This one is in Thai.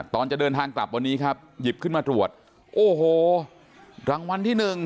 ตอนจะเดินทางกลับวันนี้ครับหยิบขึ้นมาตรวจโอ้โหรางวัลที่หนึ่ง